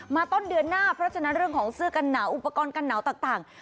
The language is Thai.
ต้นเดือนหน้าเพราะฉะนั้นเรื่องของเสื้อกันหนาวอุปกรณ์กันหนาวต่าง